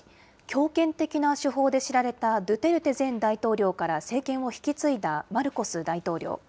強権的な手法で知られたドゥテルテ前大統領から政権を引き継いだマルコス大統領。